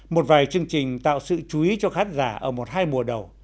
một vài chương trình tạo sự chú ý cho khán giả ở một hai mùa đầu